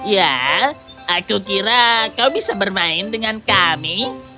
ya aku kira kau bisa bermain dengan kami